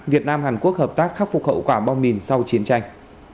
việt nam hàn quốc hợp tác khắc phục hậu quả bom mìn sau chiến tranh